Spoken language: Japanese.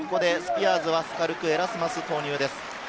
スピアーズはスカルク・エラスマスが投入です。